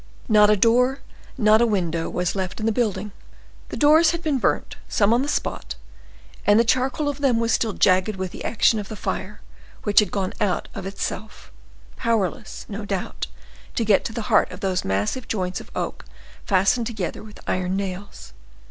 Not a door, not a window was left in the building. The doors had been burnt, some on the spot, and the charcoal of them was still jagged with the action of the fire, which had gone out of itself, powerless, no doubt, to get to the heart of those massive joints of oak fastened together with iron nails.